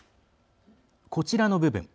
こちらの部分。